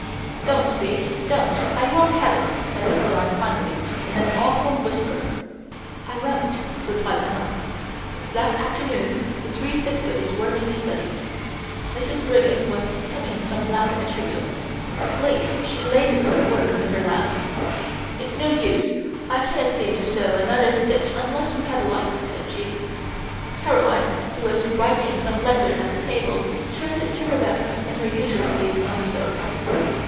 "Don't speak, don't, I won't have it!" said Caroline finally in an awful whisper. "I won't," replied Emma. That afternoon the three sisters were in the study. Mrs. Brigham was hemming some black material. At last she laid her work on her lap. "It's no use, I cannot see to sew another stitch until we have a light," said she. Caroline, who was writing some letters at the table, turned to Rebecca, in her usual place on the sofa.